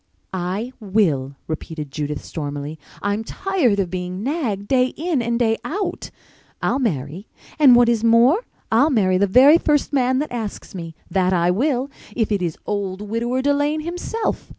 "I will," repeated Judith stormily. "I'm tired of being nagged day in and day out. I'll marry—and what is more I'll marry the very first man that asks me—that I will, if it is old Widower Delane himself!